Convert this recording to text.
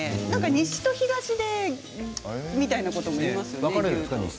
西と東でみたいなことも言いますよね。